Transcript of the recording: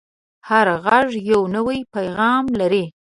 هر غږ یو نوی پیغام لري